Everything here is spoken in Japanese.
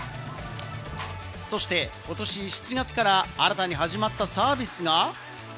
そしてことし７月から新たに始まったサービスが。